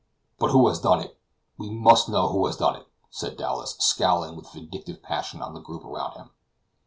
"But who has done it? we must know who has done it," said Dowlas, scowling with vindictive passion on the group around him.